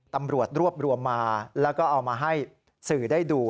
ตำรวจรวบรวมมาแล้วก็เอามาให้สื่อได้ดู